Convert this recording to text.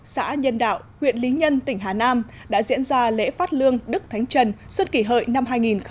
xã nhân đạo huyện lý nhân tỉnh hà nam đã diễn ra lễ phát lương đức thánh trần xuân kỷ hợi năm hai nghìn một mươi chín